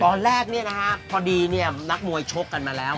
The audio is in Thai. ตอนแรกนี่นะครับพอดีนี่นักมวยชกกันมาแล้ว